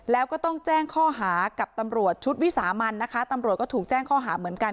แล้วก็ต้องแจ้งข้อหากับตำรวจชุดวิสามันนะคะตำรวจก็ถูกแจ้งข้อหาเหมือนกัน